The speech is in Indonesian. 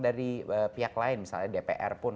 dari pihak lain misalnya dpr pun